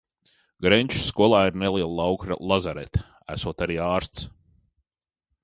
Grenču skolā ir neliela lauku lazarete, esot arī ārsts.